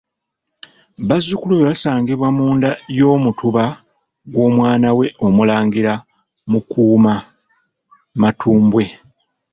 Bazzukulu be basangibwa mu nda y'Omutuba gw'omwana we Omulangira Mukuma Matumbwe.